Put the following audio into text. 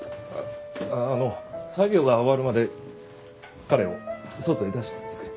あの作業が終わるまで彼を外へ出しておいてくれ。